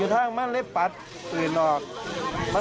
แม่นแบบเบาะโชค์เลย